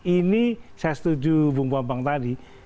ini saya setuju bung bambang tadi